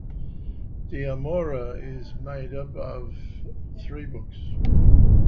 "De Amore" is made up of three books.